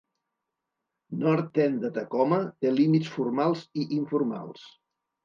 North End de Tacoma té límits formals i informals.